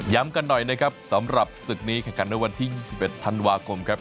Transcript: กันหน่อยนะครับสำหรับศึกนี้แข่งขันในวันที่๒๑ธันวาคมครับ